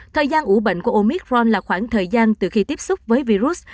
thời gian ủ bệnh của omicron là khoảng thời gian từ khi tiếp xúc với virus